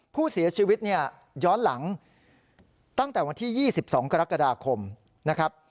ผู้เสียชีวิตเนี่ยย้อนหลังตั้งแต่วันที่๒๒กรกฎาคมนะครับ